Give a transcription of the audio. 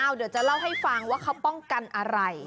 เดี๋ยวจะเล่าให้ฟังว่าเขาป้องกันอะไร